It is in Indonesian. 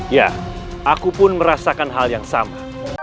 ya aku pun merasakan hal yang sama